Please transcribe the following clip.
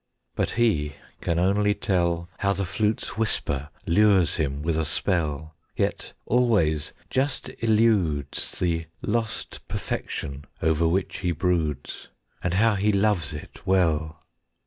But he can only tell How the flute's whisper lures him with a spell, Yet always just eludes The lost perfection over which he broods; And how he loves it well.